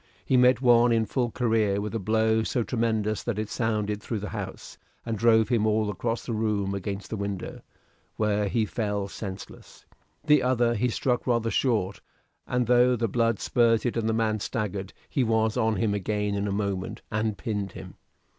He met one in full career with a blow so tremendous that it sounded through the house, and drove him all across the room against the window, where he fell down senseless; the other he struck rather short, and though the blood spurted and the man staggered, he was on him again in a moment, and pinned him.